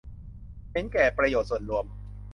เห็นแก่ประโยชน์ส่วนรวม